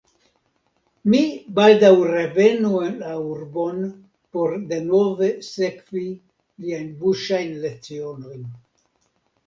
Mi baldaŭ revenu la urbon por denove sekvi liajn buŝajn lecionojn.